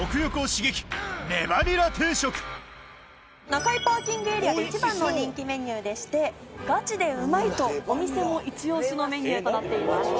中井パーキングエリアで一番の人気メニューでしてガチでうまいとお店もイチ押しのメニューとなっています。